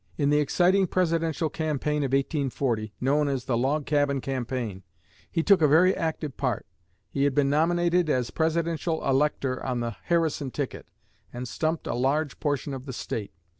In the exciting Presidential campaign of 1840, known as the "Log Cabin" campaign, he took a very active part. He had been nominated as Presidential Elector on the Harrison ticket, and stumped a large portion of the State.